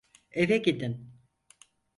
Eve gidin.